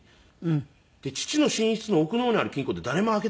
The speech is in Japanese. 父の寝室の奥の方にある金庫って誰も開けた事なかったんですよ。